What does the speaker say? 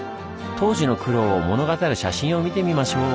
当時の苦労を物語る写真を見てみましょう！